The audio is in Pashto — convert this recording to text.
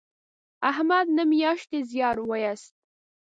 احمد نهه میاشتې زیار و ایست